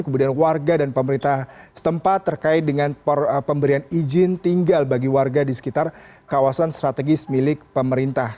kemudian warga dan pemerintah setempat terkait dengan pemberian izin tinggal bagi warga di sekitar kawasan strategis milik pemerintah